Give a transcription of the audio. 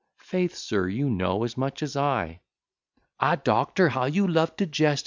Faith, sir, you know as much as I. "Ah, Doctor, how you love to jest!